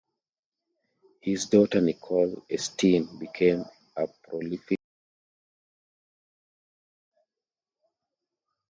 His daughter Nicole Estienne became a prolific poet.